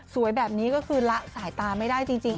แบบนี้ก็คือละสายตาไม่ได้จริง